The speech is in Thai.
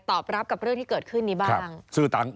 ตอบรับกับเรื่องที่เกิดขึ้นนี้บ้าง